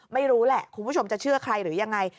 ไม่รู้แหละคุณผู้ชมจะเชื่อใครหรือยังไง